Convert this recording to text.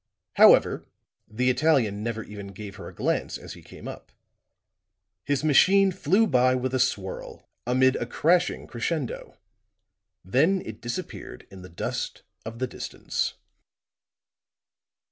However, the Italian never even gave her a glance as he came up; his machine flew by with a swirl, amid a crashing crescendo; then it disappeared in the dust of the distance.